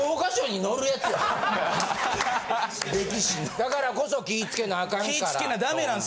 だからこそ気ぃつけなアカンから。